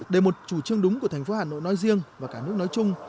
để một chủ trương đúng của thành phố hà nội nói riêng và cả nước nói chung